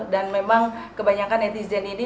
dan memang kebanyakan netizen ini